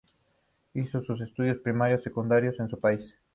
Hizo sus estudios primarios y secundarios en su país.